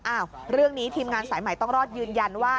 อ้าวเรื่องนี้ทีมงานสายใหม่ต้องรอดยืนยันว่า